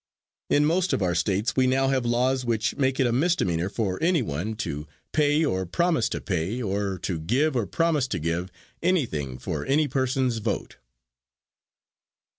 In most of our states we now have laws which make it a misdemeanor for anyone to pay or promise to pay, or to give or promise to give anything for any person's vote.